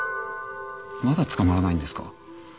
まだ捕まらないんですか？